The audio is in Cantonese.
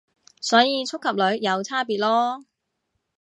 所以觸及率有差別囉